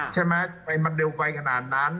ใช่ไหมมันเร็วไปขนาดนั้น